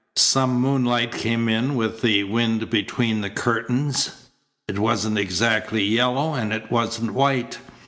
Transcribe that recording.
Some moonlight came in with the wind between the curtains. It wasn't exactly yellow, and it wasn't white.